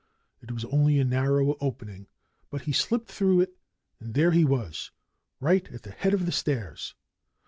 It was only a narrow opening; but he slipped through it. And there he was, right at the head of the stairs!